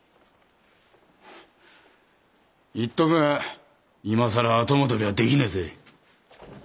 言っとくが今更後戻りはできねえぜ。